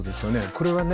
これはね